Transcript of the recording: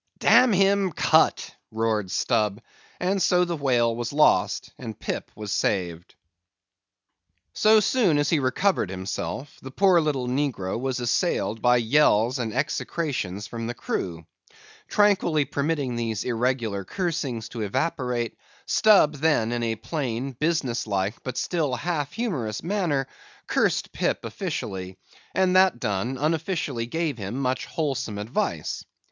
"Damn him, cut!" roared Stubb; and so the whale was lost and Pip was saved. So soon as he recovered himself, the poor little negro was assailed by yells and execrations from the crew. Tranquilly permitting these irregular cursings to evaporate, Stubb then in a plain, business like, but still half humorous manner, cursed Pip officially; and that done, unofficially gave him much wholesome advice.